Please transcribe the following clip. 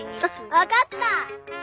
わかった！